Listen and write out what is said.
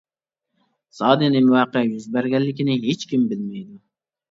زادى نېمە ۋەقە يۈز بەرگەنلىكىنى ھېچكىم بىلمەيدۇ.